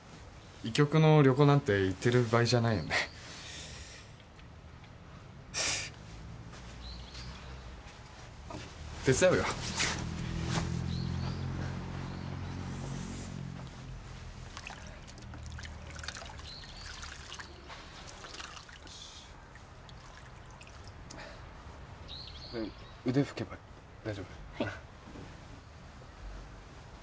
医局の旅行なんて行ってる場合じゃないよね手伝うよ腕ふけばいいの？